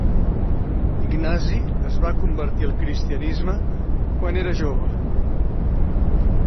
Ignasi es va convertir al cristianisme quan era jove.